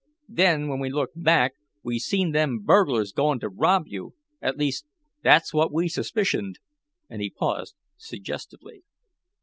Then when we looked back, we seen them burglars goin' t' rob you, at least that's what we suspicioned," and he paused suggestively.